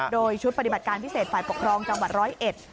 โดยชุดปฏิบัติการพิเศษฝ่าปกรองจังหวัด๑๐๑